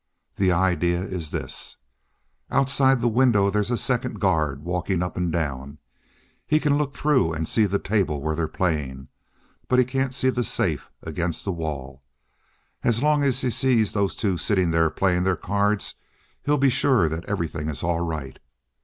The idea is this. Outside that window there's a second guard walking up and down. He can look through and see the table where they're playing, but he can't see the safe against the wall. As long as he sees those two sitting there playing their cards, he'll be sure that everything is all right.